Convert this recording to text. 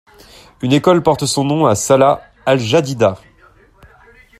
Une école porte son nom à Sala Al-Jadida.